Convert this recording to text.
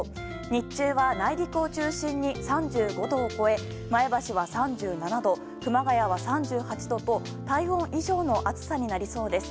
日中は内陸を中心に３５度を超え前橋は３７度、熊谷は３８度と体温以上の暑さになりそうです。